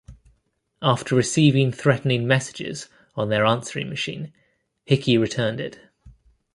After receiving threatening messages on their answering machine Hickey returned it.